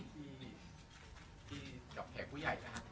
ก็โอเคครับ